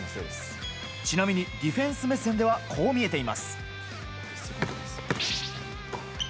ちなみにディフェンス目線ではこう見えています。